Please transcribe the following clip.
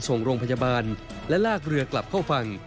ส่งโรงพยาบาลและลากเรือกลับเข้าฝั่ง